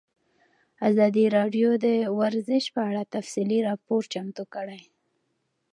ازادي راډیو د ورزش په اړه تفصیلي راپور چمتو کړی.